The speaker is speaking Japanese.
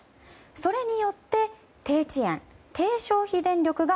それによって低遅延、低消費電力が